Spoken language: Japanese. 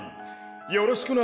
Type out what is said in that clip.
よろしくな！